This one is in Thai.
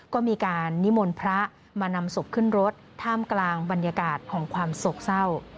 ก็มีการนิมนต์พระมานำศพขึ้นรถท่ามกลางบรรยากาศของความโศกเศร้า